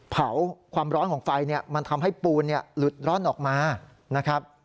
ความร้อนของไฟเนี่ยมันทำให้ปูนหลุดร่อนออกมานะครับ